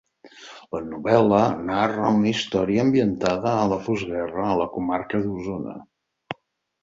La novel·la narra una història ambientada a la postguerra a la comarca d'Osona.